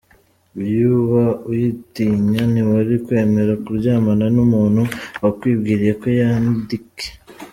iyo uba uyitinya ntiwari kwemera kuryamana n’umuntu wakwibwiriye ko yandike.